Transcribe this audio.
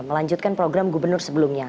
melanjutkan program gubernur sebelumnya